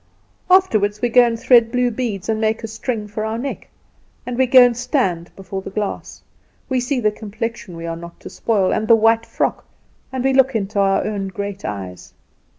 Afterwards we go and thread blue beads, and make a string for our neck; and we go and stand before the glass. We see the complexion we were not to spoil, and the white frock, and we look into our own great eyes.